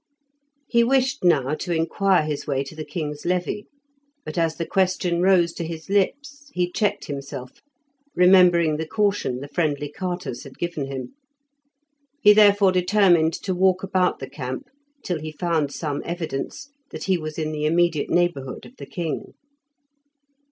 He wished now to inquire his way to the king's levy, but as the question rose to his lips he checked himself, remembering the caution the friendly carters had given him. He therefore determined to walk about the camp till he found some evidence that he was in the immediate neighbourhood of the king.